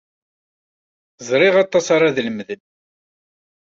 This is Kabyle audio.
Ẓriɣ aṭas ara d-lemden.